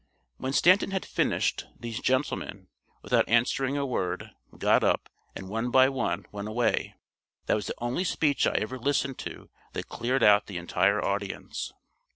When Stanton had finished, these gentlemen, without answering a word, got up and one by one went away. That was the only speech I ever listened to that cleared out the entire audience.